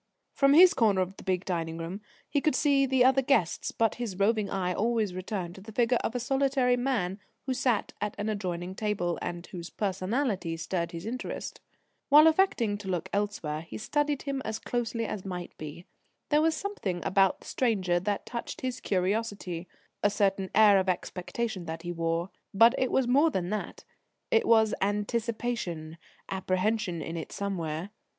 From his corner of the big dining room he could see the other guests, but his roving eye always returned to the figure of a solitary man who sat at an adjoining table, and whose personality stirred his interest. While affecting to look elsewhere, he studied him as closely as might be. There was something about the stranger that touched his curiosity a certain air of expectation that he wore. But it was more than that: it was anticipation, apprehension in it somewhere.